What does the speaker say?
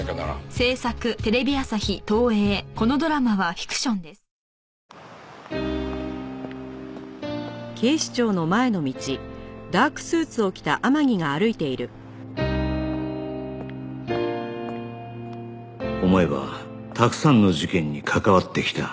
思えばたくさんの事件に関わってきた